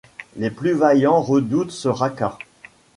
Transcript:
Les plus vaillants redoutent ce raca.